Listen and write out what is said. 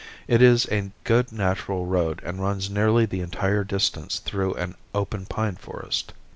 It is a good natural road and runs nearly the entire distance through an open pine forest.